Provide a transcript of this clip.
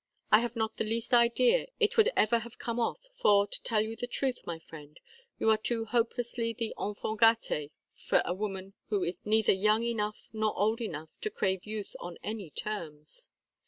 I have not the least idea it would ever have come off, for, to tell you the truth, my friend, you are too hopelessly the enfant gaté for a woman who is neither young enough nor old enough to crave youth on any terms.